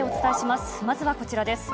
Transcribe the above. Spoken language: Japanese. まずはこちらです。